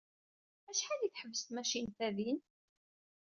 Acḥal ay tḥebbes tmacint-a din?